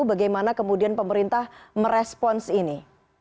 bagaimana kemudian pemerintah merespons ini